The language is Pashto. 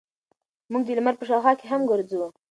موږ د لمر په شاوخوا کې هم ګرځو.